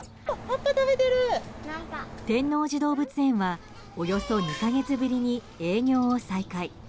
天王寺動物園はおよそ２か月ぶりに営業を再開。